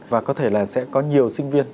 và có thể là sẽ có nhiều sinh viên